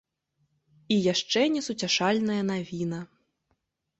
І яшчэ несуцяшальная навіна.